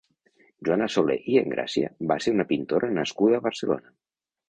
Joana Soler i Engràcia va ser una pintora nascuda a Barcelona.